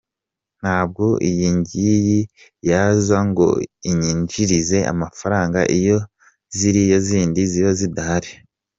Ntabwo iyi ngiyi yaza ngo inyinjirize amafaranga iyo ziriya zindi ziba zidahari.